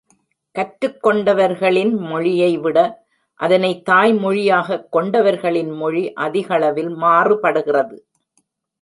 கற்றுக் கொண்டவர்களின் மொழியை விட, அதனை தாய் மொழியாகக் கொண்டவர்களின் மொழி அதிகளவில் மாறுபடுகிறது.